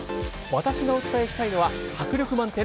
私がお伝えしたいのは迫力満点！